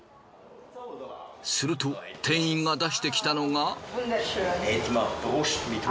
すると店員が出してきたのが。